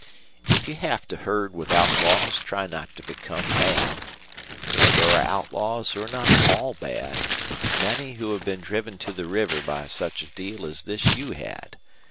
If you have to herd with outlaws try not to become bad. There are outlaws who 're not all bad many who have been driven to the river by such a deal as this you had.